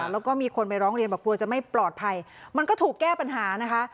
แล้วก็มีคนไปร้องเรียนบอกกลัวจะไม่ปลอดภัยมันก็ถูกแก้ปัญหานะคะ